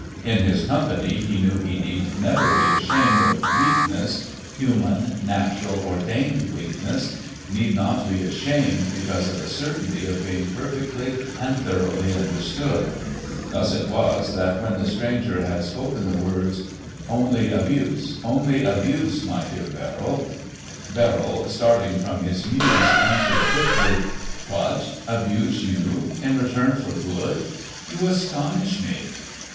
In his company he knew he need never be ashamed of weakness, human, natural, ordained weakness, need not be ashamed because of the certainty of being perfectly and thoroughly understood. Thus it was that when the stranger had spoken the words"—only abuse, only abuse, my dear Verrill." Verrill, starting from his muse, answered quickly: "What, abuse, you! in return for good! You astonish me."